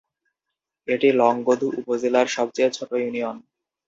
এটি লংগদু উপজেলার সবচেয়ে ছোট ইউনিয়ন।